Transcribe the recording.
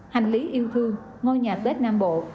hành lý yêu thương ngôi nhà tết nam bộ